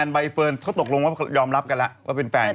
ใบเฟิร์นเขาตกลงว่ายอมรับกันแล้วว่าเป็นแฟน